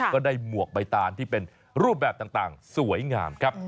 หมวกใบตานที่เป็นรูปแบบต่างสวยงามครับ